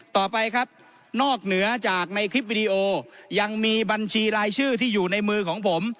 ต่อไปครับนอกเหนือจากในคลิปวิดีโอยังมีบัญชีรายชื่อที่อยู่ในมือของผม